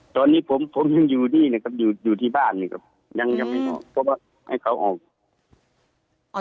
ตอนนี้ผมยังอยู่ที่บ้านเนี่ยครับยังไม่ออกเพราะว่าให้เขาออก